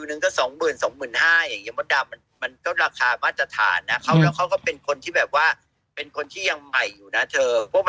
หนังฉันทำเร็วและสนุกนะมดดาม